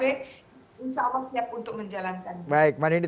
insya allah siap untuk menjalankan